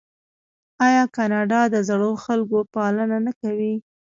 آیا کاناډا د زړو خلکو پالنه نه کوي؟